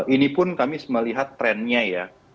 ini pun kami melihat trennya ya